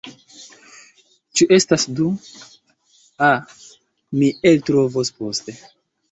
Ĉu estas du? A, mi eltrovos poste.